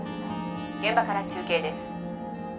「現場から中継です」